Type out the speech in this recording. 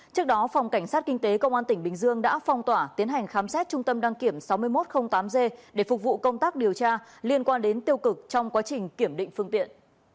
trước đó phòng cảnh sát kinh tế công an tỉnh bình dương đã phong tỏa tiến hành khám xét trung tâm đăng kiểm sáu nghìn một trăm linh tám g để phục vụ công tác điều tra liên quan đến tiêu cực trong quá trình kiểm định phương tiện